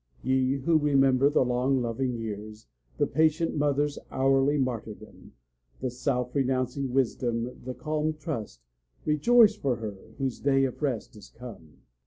Ye who remember the long loving years, The patient mother's hourly martyrdom, The self renouncing wisdom, the calm trust, Rejoice for her whose day of rest is come!